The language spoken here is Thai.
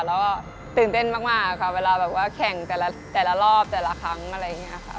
แล้วก็ตื่นเต้นมากค่ะเวลาแบบว่าแข่งแต่ละรอบแต่ละครั้งอะไรอย่างนี้ค่ะ